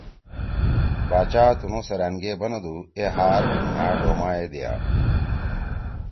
باچا تنُو سیرأن کے بندُو اے ہار مھأ ڈوما یے دیا۔